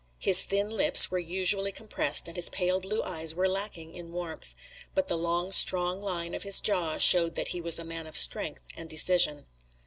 His thin lips were usually compressed and his pale blue eyes were lacking in warmth. But the long strong line of his jaw showed that he was a man of strength and decision.